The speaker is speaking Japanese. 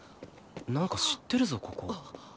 なんか知ってるぞここ